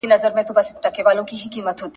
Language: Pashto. پر ښځه باندي د طنز کولو زړه کوي